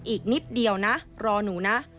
อีกนิดเดียวนะรอหนูนะ